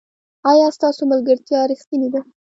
ایا ستاسو ملګرتیا ریښتینې ده؟